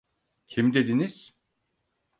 Kim dediniz?